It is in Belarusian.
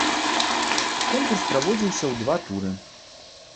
Конкурс праводзіўся ў два туры.